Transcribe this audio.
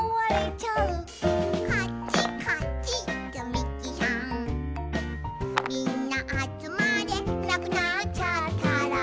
みんなあつまれ」「なくなっちゃったら」